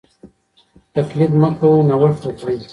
تقليد مه کوئ نوښت وکړئ.